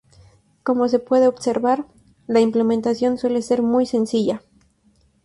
Como se puede observar, la implementación suele ser muy sencilla.